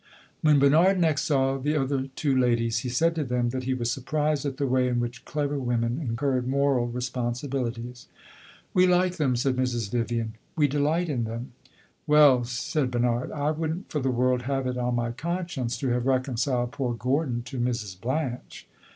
When Bernard next saw the other two ladies, he said to them that he was surprised at the way in which clever women incurred moral responsibilities. "We like them," said Mrs. Vivian. "We delight in them!" "Well," said Bernard, "I would n't for the world have it on my conscience to have reconciled poor Gordon to Mrs. Blanche."